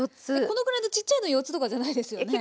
このくらいのちっちゃいの４つとかじゃないですよね？